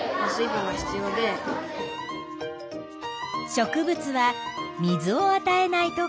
植物は水をあたえないとかれてしまう。